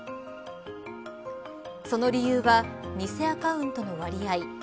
その理由は偽アカウントの割合。